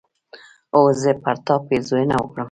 هو! زه به پر تا پيرزوينه وکړم